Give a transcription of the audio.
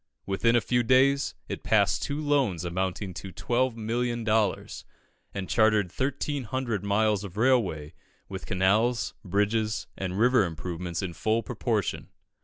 Within a few days, it passed two loans amounting to 12,000,000 dollars, and chartered 1,300 miles of railway, with canals, bridges, and river improvements in full proportion.